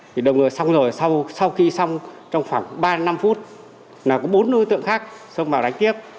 thì đầu ngờ xong rồi sau khi xong trong khoảng ba năm phút là có bốn đối tượng khác xông vào đánh tiếp